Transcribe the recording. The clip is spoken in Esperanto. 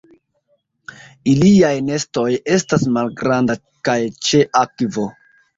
Iliaj nestoj estas malgranda kaj ĉe akvo.